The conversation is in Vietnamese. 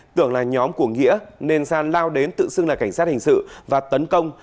tưởng là nhóm của nghĩa nên san lao đến tự xưng là cảnh sát hình sự và tấn công